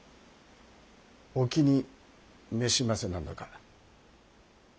お気に召しませなんだか？